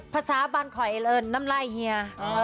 ภาษาบันข่อยเอลินน้ำไล่เฮีย